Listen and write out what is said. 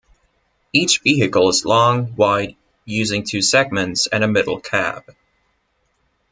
Each vehicle is long, wide, using two segments and a middle cab.